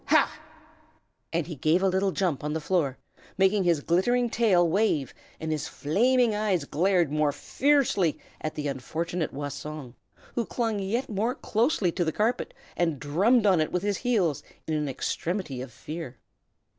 HA!" and he gave a little jump on the floor, making his glittering tail wave, and his flaming eyes glared yet more fiercely at the unfortunate Wah Song, who clung yet more closely to the carpet, and drummed on it with his heels in an extremity of fear.